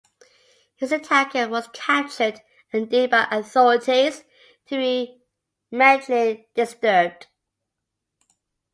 His attacker was captured and deemed by authorities to be mentally disturbed.